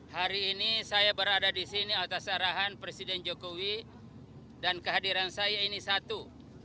hari ini saya berada di sini atas arahan presiden jokowi dan kehadiran saya ini satu